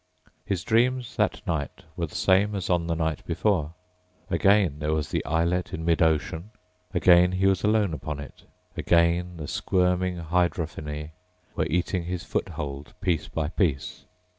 His dreams that night were the same as on the night before. Again there was the islet in mid ocean. Again he was alone upon it. Again the squirming hydrophinnae were eating his foothold piece by piece.